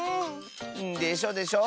でしょでしょ？